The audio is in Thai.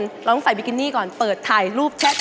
เราต้องใส่บิกินนิก่อนเปิดภายรูปแช๊